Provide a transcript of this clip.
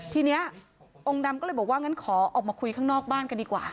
ทีนี้องค์ดำก็เลยบอกว่างั้นขอออกมาคุยข้างนอกบ้านกันดีกว่า